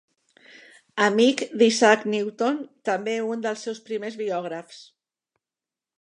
Amic d'Isaac Newton, també un dels seus primers biògrafs.